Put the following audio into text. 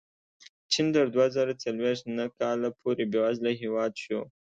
چین تر دوه زره څلوېښت نهه کاله پورې بېوزله هېواد شو.